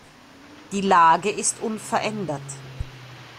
Die Lage ist unverändert.